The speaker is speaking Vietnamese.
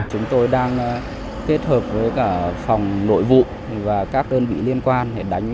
chúng tôi đang kết hợp với cả phòng nội vụ và các đơn vị liên quan